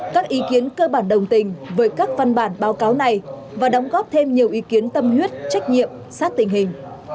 các ý kiến cơ bản đồng tình với các văn bản báo cáo này và đóng góp thêm nhiều ý kiến tâm huyết trách nhiệm sát tình hình